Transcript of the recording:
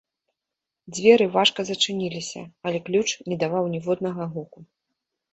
Дзверы важка зачыніліся, але ключ не даваў ніводнага гуку.